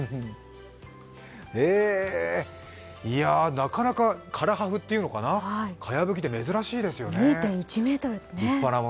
なかなか唐破風というのかな、かやぶきって珍しいですよね。